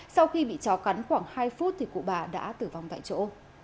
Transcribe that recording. sau khi bị chó cắn khoảng hai phút thì cụ bà đã tử vong tại chỗ